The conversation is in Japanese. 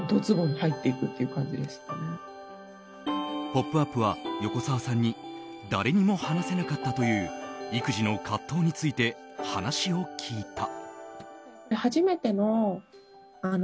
「ポップＵＰ！」は横澤さんに誰にも話せなかったという育児の葛藤について話を聞いた。